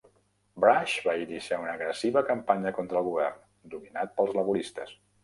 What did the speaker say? Brash va iniciar una agressiva campanya contra el govern, dominat pels laboristes.